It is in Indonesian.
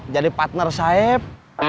jadi partner saeb